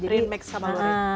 print mix sama lurik